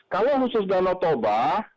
kalau khusus danau toba